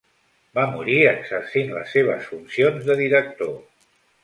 Va morir exercint les seves funcions de director.